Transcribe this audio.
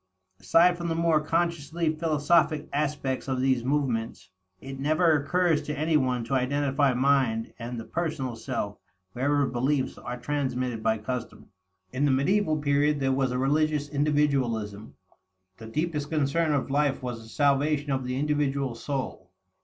Aside from the more consciously philosophic aspects of these movements, it never occurs to any one to identify mind and the personal self wherever beliefs are transmitted by custom. In the medieval period there was a religious individualism. The deepest concern of life was the salvation of the individual soul.